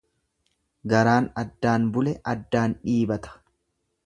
Garaan addaan bule addaan dhiibata.